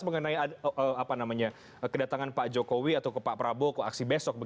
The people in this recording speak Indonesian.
mengenai kedatangan pak jokowi atau ke pak prabowo ke aksi besok